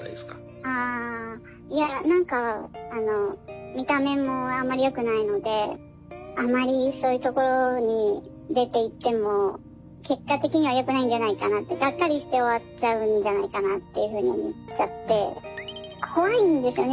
ああいや何か見た目もあんまりよくないのであまりそういうところに出ていっても結果的にはよくないんじゃないかなってがっかりして終わっちゃうんじゃないかなというふうに思っちゃって怖いんですよね。